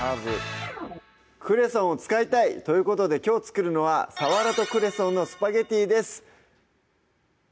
クレソンを使いたい！ということできょう作るのは「鰆とクレソンのスパゲティ」です